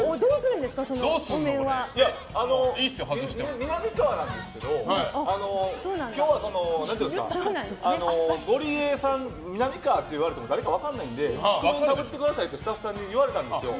みなみかわなんですけど今日はゴリエさんって言われても誰か分からないのでお面かぶってくださいって言われたんです。